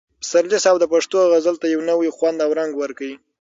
پسرلي صاحب د پښتو غزل ته یو نوی خوند او رنګ ورکړ.